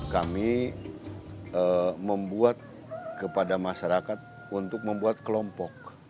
kami membuat kepada masyarakat untuk membuat kelompok